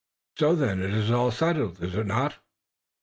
So, then, it is all settled, is it not!"